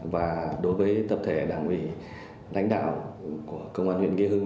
và đối với tập thể đảng ủy lãnh đạo của công an huyện nghĩa hưng